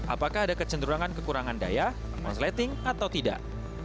apakah ada kecenderungan kekurangan daya konsleting atau tidak